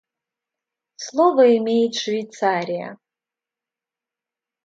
Слово имеет Швейцария.